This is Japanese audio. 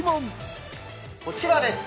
こちらです。